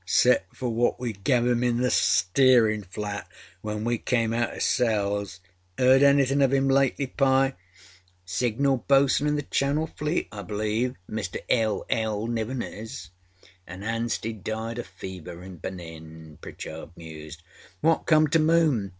â âExcepâ for what we gave him in the steerinâ flat when we came out oâ cells. âEard anything of âim lately, Pye?â âSignal Boatswain in the Channel Fleet, I believeâMr. L.L. Niven is.â âAnâ Anstey died oâ fever in Benin,â Pritchard mused. âWhat come to Moon?